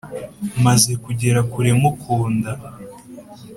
maze kugera kure mukunda